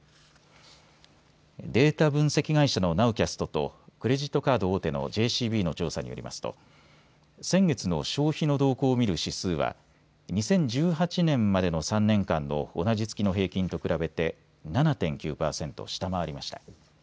データ分析会社のナウキャストとクレジットカード大手のＪＣＢの調査によりますと先月の消費の動向を見る指数は２０１８年までの３年間の同じ月の平均と比べて７．９％下回りました。